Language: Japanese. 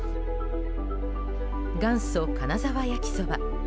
元祖金澤焼きそば。